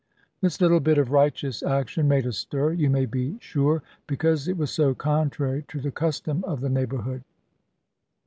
This little bit of righteous action made a stir, you may be sure, because it was so contrary to the custom of the neighbourhood.